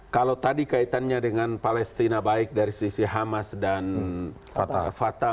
kalau tadi kaitannya dengan palestina baik dari sisi hamas dan fata